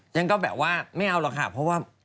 ฉันก็แบบว่าไม่เอาหรอกค่ะเพราะว่า